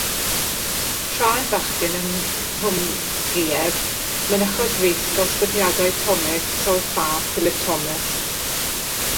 Tra yn fachgen yng Nghwmgïedd mynychodd Rees ddosbarthiadau tonic sol-ffa Phylip Thomas.